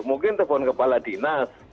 mungkin telepon kepala dinas